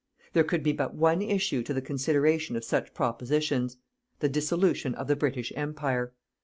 There could be but one issue to the consideration of such propositions: the dissolution of the British Empire.